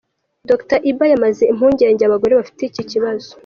Dr Iba yamaze impungenge abagore bafite iki kibazo.